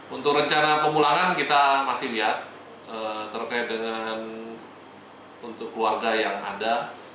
untuk rencana pemulangan kita masih lihat terkait dengan untuk keluarga yang ada